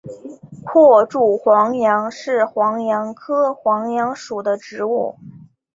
阔柱黄杨是黄杨科黄杨属的植物。